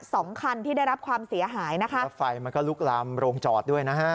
สองคันที่ได้รับความเสียหายนะคะแล้วไฟมันก็ลุกลามโรงจอดด้วยนะฮะ